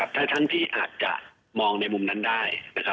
ถ้าท่านพี่อาจจะมองในมุมนั้นได้